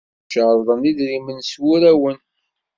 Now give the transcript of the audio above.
Cerḍen idrimen d wurawen.